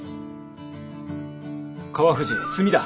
川藤墨だ。